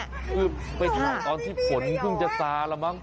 คือเป็นอย่างตอนที่ผลเพิ่งจะสาละมั้ง